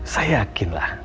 saya yakin lah